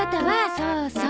そうそう。